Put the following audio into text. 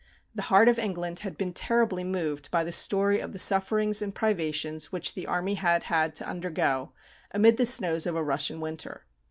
The heart of England had been terribly moved by the story of the sufferings and privations which the army had had to undergo amid the snows of a Russian winter.